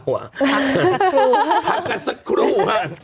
พักกันสักครู่